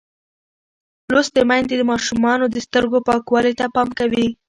لوستې میندې د ماشومانو د سترګو پاکوالي ته پام کوي.